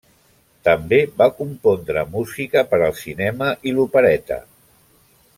També va compondre música per al cinema i l'opereta.